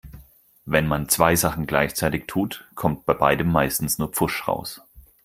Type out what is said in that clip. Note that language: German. Wenn man zwei Sachen gleichzeitig tut, kommt bei beidem meistens nur Pfusch raus.